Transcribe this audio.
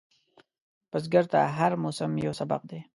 بزګر ته هر موسم یو سبق دی